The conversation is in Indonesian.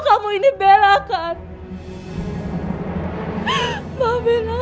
kamu udah bales kejahatan aku deng kebaikan kamu